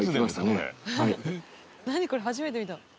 これ初めて見た。